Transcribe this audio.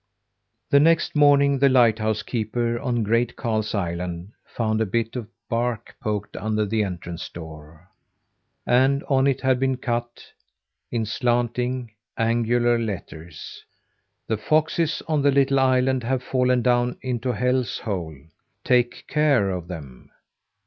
The next morning the lighthouse keeper on Great Karl's Island found a bit of bark poked under the entrance door, and on it had been cut, in slanting, angular letters: "The foxes on the little island have fallen down into Hell's Hole. Take care of them!"